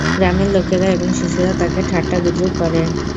গ্রামের লোকেরা এবং শিশুরা তাকে ঠাট্টা-বিদ্রূপ করে।